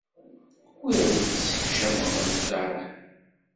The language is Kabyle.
Ur awent-ssekcameɣ lkeṛh.